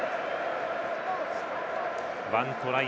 １トライ